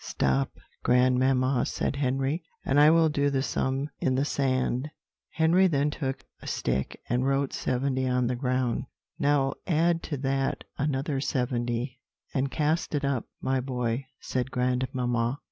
"Stop, grandmamma," said Henry, "and I will do the sum in the sand." Henry then took a stick and wrote 70 on the ground. "Now add to that another seventy, and cast it up, my boy," said grandmamma.